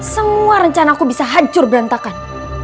semua rencana aku bisa hancur berantakan